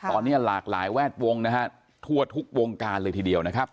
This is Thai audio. ตอนนี้หลากหลายแวดวงนะฮะทั่วทุกวงการเลยทีเดียวนะครับ